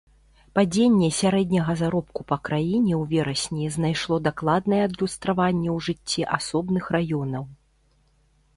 Падзенне сярэдняга заробку па краіне ў верасні знайшло дакладнае адлюстраванне ў жыцці асобных раёнаў.